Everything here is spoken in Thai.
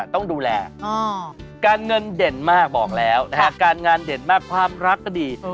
ต้องดูแลการเงินเด่นมากบอกแล้วนะฮะการงานเด่นมากความรักก็ดี